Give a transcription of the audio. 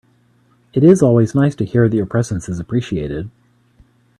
It is always nice to hear that your presence is appreciated.